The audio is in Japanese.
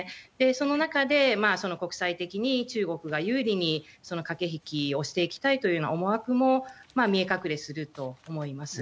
その中で、国際的に中国が有利に駆け引きをしていきたいというような思惑も見え隠れすると思います。